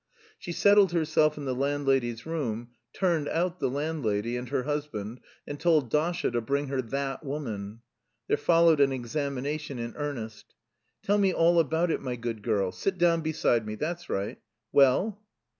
She settled herself in the landlady's room, turned out the landlady and her husband, and told Dasha to bring her that woman. There followed an examination in earnest. "Tell me all about it, my good girl. Sit down beside me; that's right. Well?"